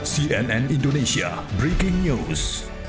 cnn indonesia breaking news